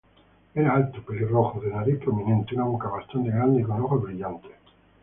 Era alto, pelirrojo, de nariz prominente, una boca bastante grande y con ojos brillantes.